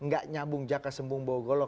gak nyambung jaka sembung bawa golok